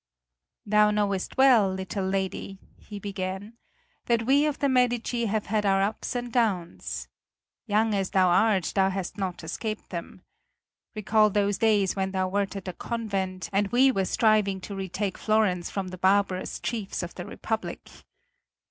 "Thou knowest well, little lady," he began, "that we of the Medici have had our ups and downs. Young as thou art thou hast not escaped them. Recall those days when thou wert at the convent, and we were striving to retake Florence from the barbarous chiefs of the Republic.